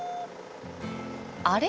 あれ？